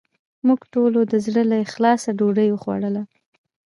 موږ ټولو د زړه له اخلاصه ډوډې وخوړه